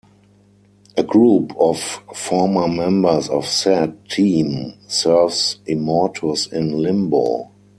A group of former members of said team serves Immortus in Limbo.